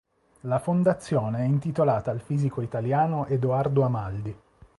La Fondazione è intitolata al fisico italiano Edoardo Amaldi.